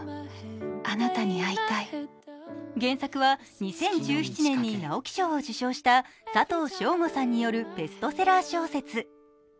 原作は２０１７年に直木賞を受賞した佐藤正午さんによるベストセラー小説。